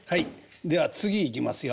では次いきますよ。